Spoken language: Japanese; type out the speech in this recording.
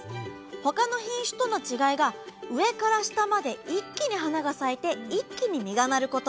他の品種との違いが上から下まで一気に花が咲いて一気に実がなること。